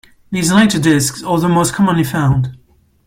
These later discs are the most commonly found.